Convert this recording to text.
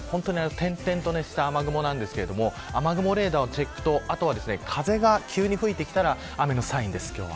てんてんとした雨雲なんですけれども雨雲レーダーのチェックとあとは風が急に吹いてきたら雨のサインです。